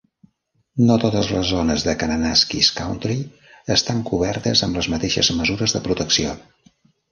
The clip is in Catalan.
No totes les zones de Kananaskis Country estan cobertes amb les mateixes mesures de protecció.